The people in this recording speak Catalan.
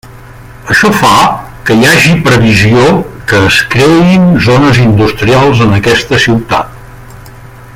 Això fa que hi hagi previsió que es creïn zones industrials en aquesta ciutat.